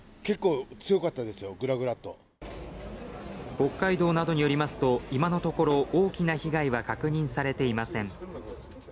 北海道などによりますと今のところ、大きな被害は確認されていません。